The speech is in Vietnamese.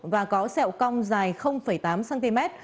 và có sẹo cong dài tám cm